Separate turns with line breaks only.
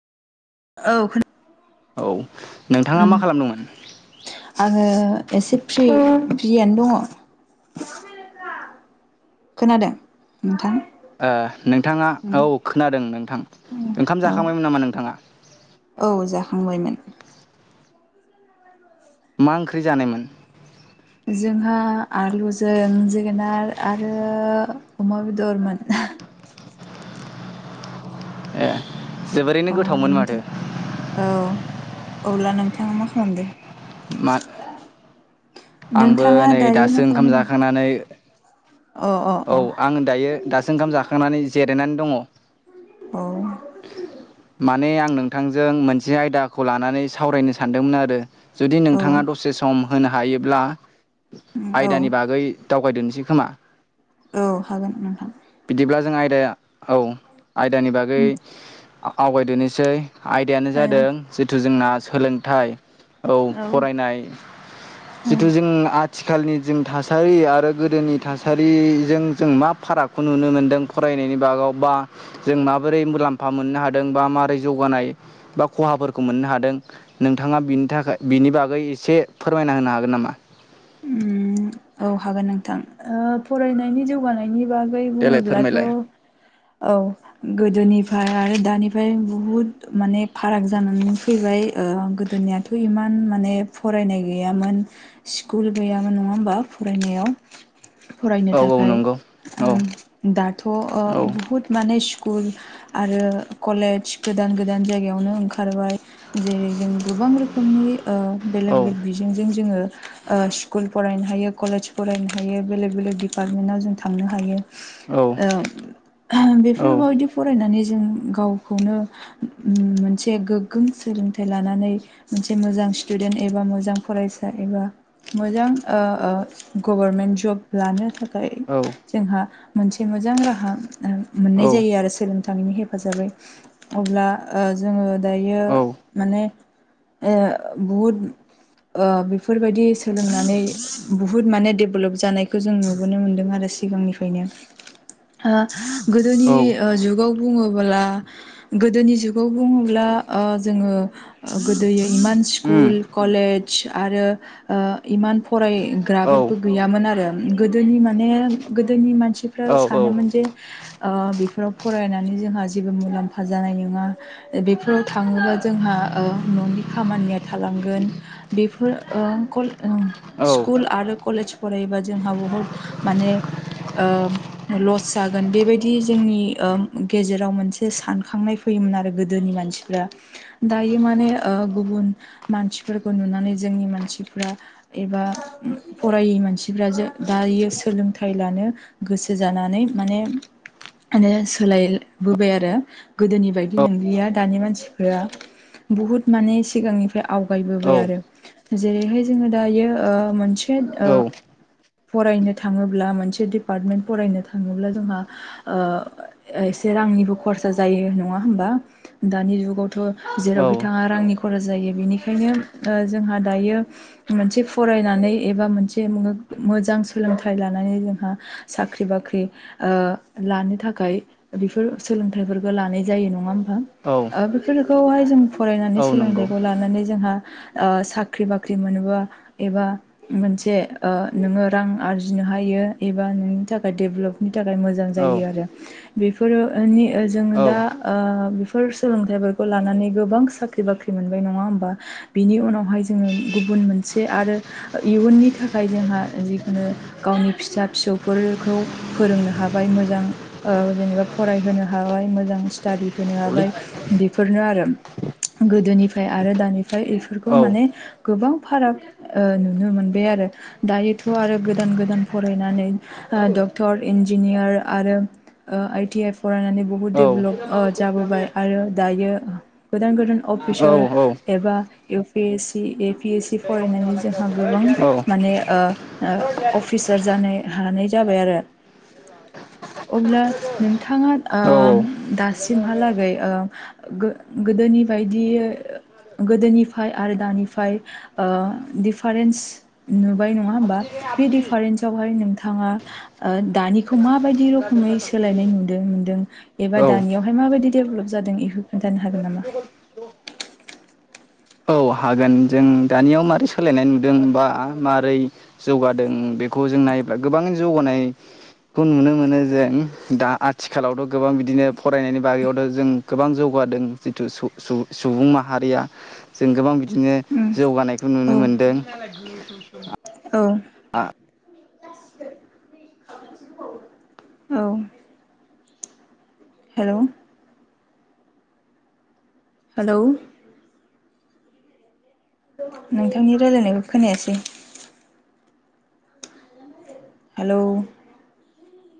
औ
औ नोंथाङा
उम
मा खालामदोंमोन
आङो एसे फ्रि फ्रियानो दङ खोनादों नोंथां
ओ नोंथाङा औ खोनादों नोंथां ओंखाम
औ
जाखांबायमोन नामा नोंथाङा
औ जाखांबायमोन
मा ओंख्रि जानायमोन
जोंहा आलुजों जोगोनार आरो अमा बेदरमोन
ए
अ
जोबोरैनो गोथावमोन माथो
नोंथां औ अब्ला नोंथाङा मा खालामदो
मा आंबो
नोंथाङा
नै
दायो मा
दासो ओंखाम
खालामबाय दं
जाखांनानै
अ अ अ
औ आं दायो दासो ओंखाम जाखांनानै जिरायनानै दङ
औ
माने आं नोंथांजों मोनसे आयदाखौ लानानै सावरायनो सानदोंमोन आरो जुदि
औ
नोंथाङा दसे सम होनो हायोब्ला
औ
आयदानि बागै दावगायदसै जि खोमा
औ हागोन नोंथां
बिदिब्ला जों आयदाया औ आयदानि बागै आवगायदोननोसै आयदायानो जादों जिथु जोंना सोलोंथाइ औ फरायनाय
औ
जिथु जों आथिखालनि जों थासारि आरो गोदोनि थासा रि जों मा फारागखौ नुनो मोनदों फरायनायनि बागाव बा जों माबोरै मुलाम्फा मोनो हादों बा मरै जोगाना खहा मोननो हादों नोंथाङा फिनिश थाखाय बागै एसे फोरमायना होनो हागोन नामा?
उ औ हागोन नोंथां फरायनायनि जौगानायनि बागै
देलाय
बुङोब्लाथ'
फोरमायलाय
औ गोदोनि फ्राय आरो दानिफ्राय बुहुद माने फाराग जानानै फैबाय गोदोनिथ' इमान माने फरायनाय गैयामोन स्कुल गैयामोन नङा होमबा फरायनायाव फरायनो
औ औ
थाखाय
नंगौ औ
दाथ ओ'
औ
बुहुत माने स्कुल आरो कलेज गोदान गोदान जायगायावनो ओंखारबाय जे जों गोबां रोखोमनि ओ
औ
बेलेग बेलेग बिजोंजों जोङो ओस्कुल फरायनो हायो कलेज फरायनो हायो बेलेग बेलेक डिपार्टमेन्टाव जों थांनो हायो।
औ
ओ
औ
बेफोरबायदि फरायनानै जों गावखौनो ओ मोनसे गोग्गों सोलोंथाइ लानानै मोनसे मोजां स्टुडेन्ट एबा मोजां फरायसा एबा मोजां ओ ओ गभारमेन्ट जब लानो थाखाय
औ
जोंहा मोनसे मोजां राहा मोननाय
औ
जायो आरो सोलोंथाइ नि हेफाजाबै अब्ला जोङो दायो माने ओ बहुद ओ बेफोरबायदि सोलोंनानै बुहुद माने डेभेलप जानायखौ जों नुबोनो मोन्दों आरो सिगांनिफ्रायनो ओ गोदोनि जुगाव बुङोबोला गोदोनि जुगाव बुङोब्ला ओ जोङो गोदो [unintelligible] स्कुल कलेज आरो ओ इमान
औ
फरायग्राफोरबो गैयामोन आरो गोदोनि माने गोदोनि मानसिफ्रा
औ औ
सानोमोन जे ओ बेफोराव फरायनानै जोंहा जेबो मुलाम्फा जानाय नङा बेफोराव थाङोबा जोंहा ओ न'नि खामानिया थाला गोन बेफोर ओ [unintelligible]
औ
स्कुल आरो कलेज फरायोबा जोंहा बुहुद माने ओ लस जागोन बेबायदि ओ जोंनि गेजेराव मोनसे सानखांनाय फैयोमोन आरो गोदोनि मानसिफ्रा दायो माने ओ गुबुन मानसिफोरखौ नुनानै जोंनि मानसि फ्रा एबा फरायै मानसिफ्रा जों दायो सोलोंथाइ लानो गोसो जानानै माने माने सोलायबोबाय आरो गोदोनि बायदि
औ
नंलिया दानि मानसिफोरा बुहुद माने सिगांनिफ्राय
औ
आवगायबोबाय आरो जेरैहाय जोङो दायो ओ मोनसे ओ
औ
फरायनो थाङोब्ला मोनसे दिडपार्टमेन्ट फरायनो थाङोब्ला जोंहा ओ एसे रांनिबो खरसा जायो नङा होमबा दानि जुगाव थ'
औ
जेराव बिथाङा रांनि खरस जायो बिनिखायनो ओ जोंहा दायो मोनसे फरायनानै एबा मोनसे मोजां सोलोंथाइ लानानै जोंहा साख्रि बा ख्रि ओ लानो थाखाय बेफोर सोलोंथाइफोरखौ लानाय जायो नङा
औ
[unintelligible] बेफोरखौहाय जों
औ
फरायनानै
नंगौ
सोलोंथाइखौ लानानै जोंहा ओ साख्रि बाख्रि मोनोबा एबा मोनसे ओ नोङो रां आरजिनो हायो एबा नोंनि थाखाय डेभेलप थाखाय मोजां जायो
औ
आरो बेफोरनि जों दा
औ
ओ फोर सोलोंथाइफोरखौ लानानै गोबां साख्रि बाख्रि मोनबाय नङा होमबा बिनि उनावहाय जोङो गुबुन मोनसे आरो इयुननि थाखाय जोंहा जिखुनु गावनि फिसा फिसौफोरखौ फोरोंनो हाबाय मोजां ओ जेनेबा फरायहोनो हाबाय मोजां स्टादि होनो
औलै
हाबाय बेफोरनो आरो गोदोनिफ्राय आरो दानिफ्राय बेफोरखौ
औ
माने गोबां फाराग ओ नुनो मोनबाय आरो दायोथ' आरो गोदान गोदान फरायनानै ओ डक्टर इन इन्जिनियार आरो ओ आइटि आइ फरायनानै बुहुत
औ
देभलप जाबोबाय आरो दायो [unintelligible] गोदान गोदान
औ
अफिसार एबा इउपिएसि एपिएसि फराय नायनि जोंहा गोबां माने ओ ओ अफिसार जानो हानाय जाबाय आरो [inaudible] अब्ला नोंथाङा
औ
ओ दासिमहालागै गो गोदोनि बायदि गोदोनिफाय आरो दानिफाय ओ दिफारेन्स नुबाय नङा होमबा बे डिफारेन्सआवहाय नोंथाङा ओ दानिखौ माबायदि रोखोमै सोलायनाय नुदों नुदों एबा दानियावहाय माबायदि डेभेलाप जादों बेखौ खोनथानो हागोन नामा
औ हागोन जों दानियाव मारै सोलायनाय नुदों बा मारै जौगादों बेखौ जों नायोब्ला गोबां जौगानाय खौ नुनो मोनो जों दा आथिखालावथ' गोबां बिदिनो फरायनायनि बागैयावथ' जों गोबां जौगानाय बादों जिथु सुब सुब सुबुं माहारिया जों गोबां बिदिनो
उम
जौगानायखौ
औ
नुनो मोनदों। आ
जासिगोन औ हेल' हेलौ नोंथांनि रायलायनायखौ खोनायासै हेलौ